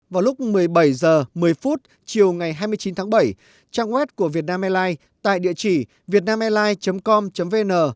vào lúc một mươi bảy h một mươi chiều ngày hai mươi chín tháng bảy trang web của việt nam airlines tại địa chỉ vietnamaislines com vn